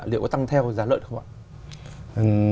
liệu có tăng theo giá lợn không ạ